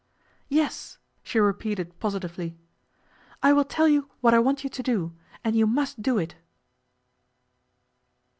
'Yes,' she repeated positively. 'I will tell you what I want you to do, and you must do it.